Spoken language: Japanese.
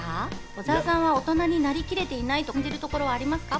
小澤さんは大人になりきれていないと感じるところはありますか？